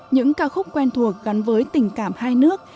những ca khúc quen thuộc gắn với tình cảm hai nước